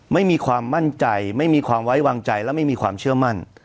ไม่มีความมั่นใจไม่มีความไว้วางใจและไม่มีความเชื่อมั่น